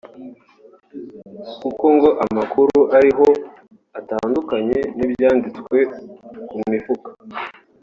kuko ngo amakuru ariho atandukanye n’ibyanditswe ku mifuka